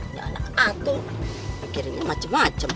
gak ada atuh pikirnya macem macem